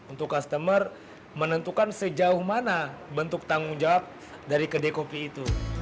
untuk customer menentukan sejauh mana bentuk tanggung jawab dari kedai kopi itu